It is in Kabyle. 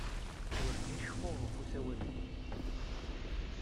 Werǧin ceffuɣ ɣef usawal-nnek.